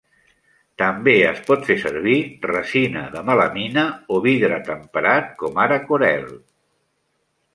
També es pot fer servir resina de melamina o vidre temperat com ara Corelle.